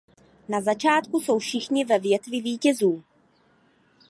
Na začátku jsou všichni ve větvi vítězů.